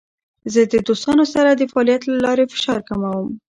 زه د دوستانو سره د فعالیت له لارې فشار کموم.